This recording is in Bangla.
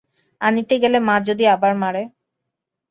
আনিতে গেলে মা যদি আবার মারে?